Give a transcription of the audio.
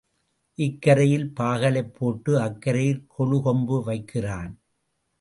இக்கரையில் பாகலைப் போட்டு அக்கரையில் கொழு கொம்பு வைக்கிறான்.